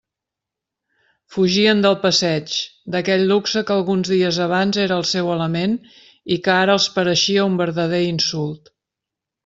Fugien del passeig, d'aquell luxe que alguns dies abans era el seu element i ara els pareixia un verdader insult.